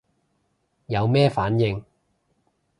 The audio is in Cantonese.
有咩反應